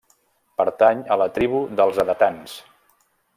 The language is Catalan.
Pertany a la tribu dels edetans.